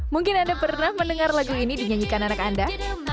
mungkin anda pernah mendengar lagu ini dinyanyikan anak anda